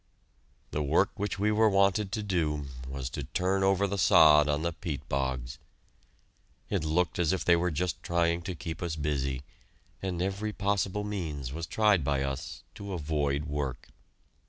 The work which we were wanted to do was to turn over the sod on the peat bogs. It looked as if they were just trying to keep us busy, and every possible means was tried by us to avoid work.